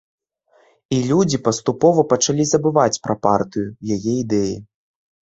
І людзі паступова пачалі забываць пра партыю, яе ідэі.